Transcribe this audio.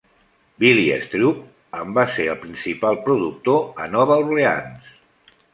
Billy Struve en va ser el principal productor a Nova Orleans.